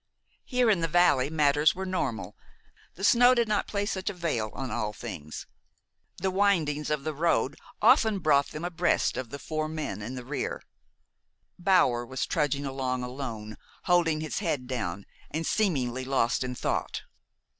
Here, in the valley, matters were normal. The snow did not place such a veil on all things. The windings of the road often brought them abreast of the four men in the rear. Bower was trudging along alone, holding his head down, and seemingly lost in thought.